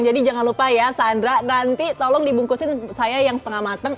jadi jangan lupa ya sandra nanti tolong dibungkusin saya yang setengah matang